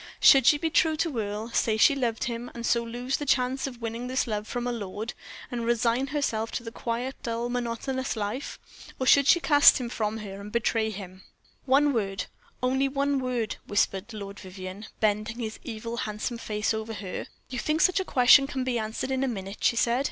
Should she be true to Earle, say she loved him, and so lose the chance of winning this love from a lord, and resign herself to her quiet, dull, monotonous life? or should she cast him from her and betray him? "One word only one word," whispered Lord Vivianne, bending his evil, handsome face over her. "You think such a question can be answered in a minute," she said.